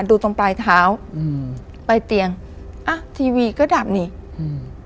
ดูตรงปลายเท้าอืมปลายเตียงอ่ะทีวีก็ดับนี่อืม